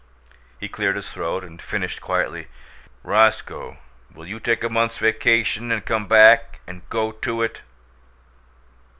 He cleared his throat and finished quietly: "Roscoe, will you take a month's vacation and come back and go to it?"